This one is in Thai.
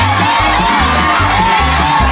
เยี่ยม